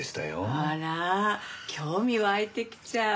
あら興味湧いてきちゃう。